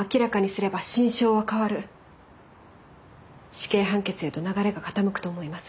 死刑判決へと流れが傾くと思います。